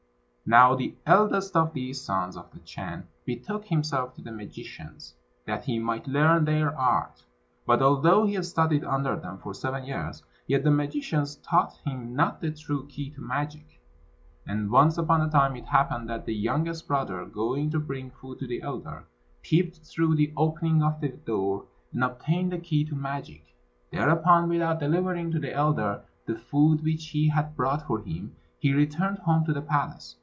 Now the eldest of these sons of the Chan betook himself to the magicians, that he might learn their art; but although he studied under them for seven years, yet the magicians taught him not the true key to magic. And once upon a time it happened that the youngest brother, going to bring food to the elder, peeped through the opening of the door, and obtained the key to magic. Thereupon, without delivering to the elder the food which he had brought for him, he returned home to the palace.